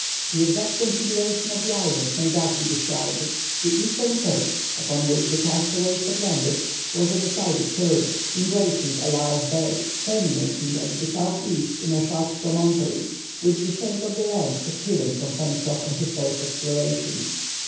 The exact configuration of the island may thus be described:—The eastern coast, upon which the castaways had landed, was a decided curve, embracing a large bay, terminating at the southeast in a sharp promontory, which the shape of the land had hidden from Pencroff on his first exploration.